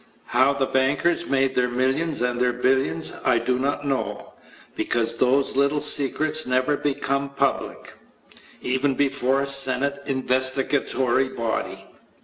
How the bankers made their millions and their billions I do not know, because those little secrets never become public even before a Senate investigatory body.